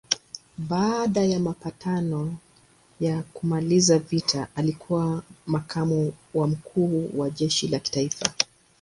Baada ya mapatano ya kumaliza vita alikuwa makamu wa mkuu wa jeshi la kitaifa.